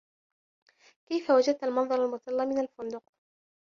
كيف وجدت المنظر المطل من الفندق؟